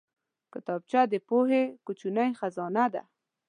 کتابچه د پوهې کوچنۍ خزانه ده